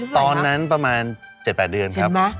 กลัวตอนนั้นประมาณ๗๘เดือนครับ